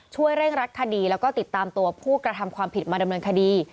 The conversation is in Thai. เร่งรัดคดีแล้วก็ติดตามตัวผู้กระทำความผิดมาดำเนินคดี